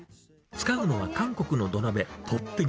使うのは韓国の土鍋、トッテギ。